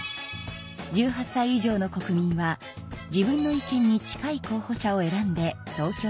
１８さい以上の国民は自分の意見に近い候ほ者を選んで投票します。